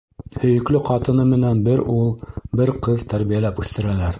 Һөйөклө ҡатыны менән бер ул, бер ҡыҙ тәрбиәләп үҫтерәләр.